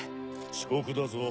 遅刻だぞ。